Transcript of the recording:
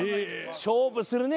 勝負するね